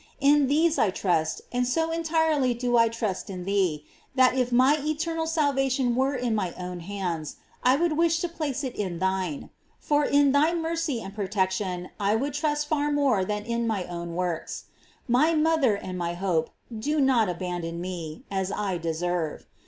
In these I trust; and so entirely do I trust in thee, that if my eternal salvation were in my own hands, I would wish to place it in thine ; for in thy mercy and protection I would trust far more than in my own works. My mother and my hope, do not abandon me, as I deserve.